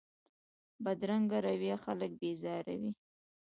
بدرنګه رویه خلک بېزاروي